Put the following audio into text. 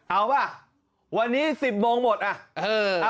เอาป่ะวันนี้๑๐โมงหมดอ่ะ